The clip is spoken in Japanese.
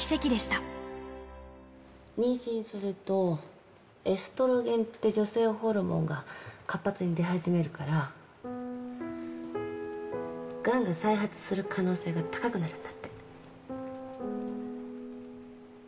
妊娠すると、エストロゲンって女性ホルモンが活発に出始めるから、がんが再発する可能性が高くなるんだって。